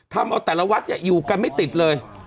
ทำเอาแต่ละวัดอยู่กันไม่ติดเลย